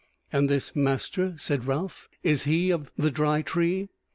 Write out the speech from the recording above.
"And this master," said Ralph, "is he of the Dry Tree?"